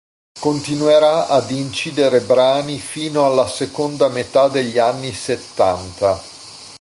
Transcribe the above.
Continuerà ad incidere brani fino alla seconda metà degli anni settanta.